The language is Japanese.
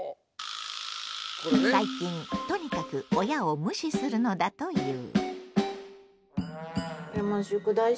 最近とにかく親を無視するのだという。